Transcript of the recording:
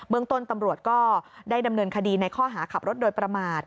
เมืองต้นตำรวจก็ได้ดำเนินคดีในข้อหาขับรถโดยประมาท